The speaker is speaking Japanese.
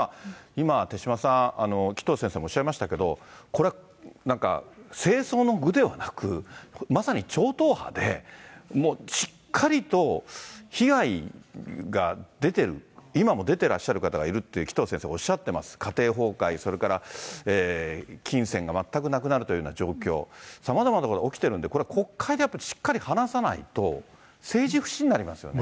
今、手嶋さん、紀藤先生もおっしゃいましたけど、これ、なんか政争の具ではなく、まさに超党派でもうしっかりと被害が出てる、今も出てらっしゃる方がいるって、紀藤先生がおっしゃっています、家庭崩壊、それから金銭が全くなくなるというような状況、さまざまなことが起きているんで、これは国会でしっかり話さないと、政治不信になりますよね。